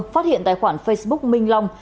phát hiện tài khoản facebook minh long